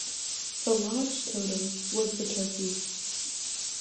The lodge totem was the turkey.